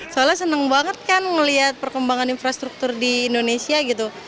soalnya senang banget kan melihat perkembangan infrastruktur di indonesia gitu